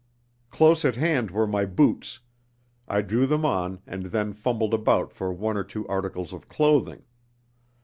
Close at hand were my boots. I drew them on and then fumbled about for one or two articles of clothing.